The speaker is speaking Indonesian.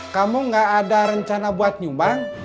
kamu gak ada rencana buat nyumbang